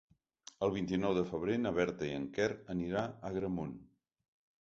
El vint-i-nou de febrer na Berta i en Quer aniran a Agramunt.